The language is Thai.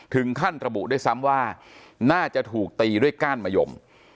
ถึงขั้นระบุด้วยซ้ำว่าน่าจะถูกตีด้วยก้านมะยม